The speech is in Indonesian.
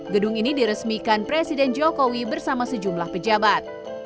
gedung ini diresmikan presiden jokowi bersama sejumlah pejabat